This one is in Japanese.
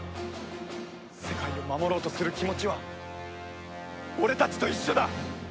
世界を守ろうとする気持ちは俺たちと一緒だ。